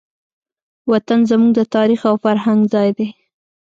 وطن زموږ د تاریخ او فرهنګ ځای دی.